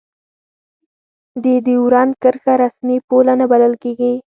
د دیورند کرښه رسمي پوله نه بلله کېږي.